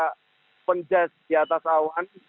ada penjes di atas awan